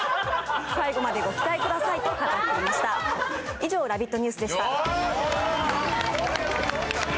以上「ラヴィット！ニュース」でした。